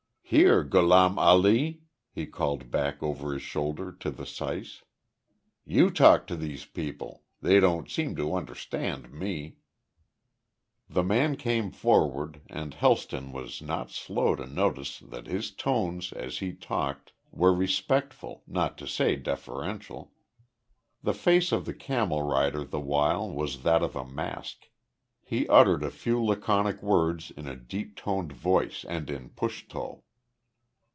"Here, Gholam Ali," he called back over his shoulder to the syce. "You talk to these people. They don't seem to understand me." The man came forward, and Helston was not slow to notice that his tones, as he talked, were respectful, not to say deferential. The face of the camel rider the while was that of a mask. He uttered a few laconic words in a deep toned voice, and in Pushtu.